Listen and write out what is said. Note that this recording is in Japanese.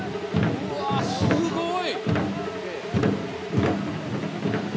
うわ、すごい！